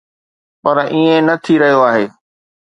پر ائين نه ٿي رهيو آهي.